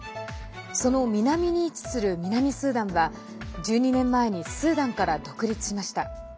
その南に位置する南スーダンは１２年前にスーダンから独立しました。